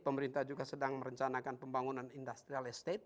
pemerintah juga sedang merencanakan pembangunan industrial estate